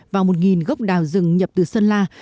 vào một nghìn gốc đào rừng nhập từ sơn la